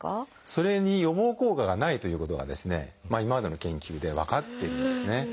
それに予防効果がないということが今までの研究で分かっているんですね。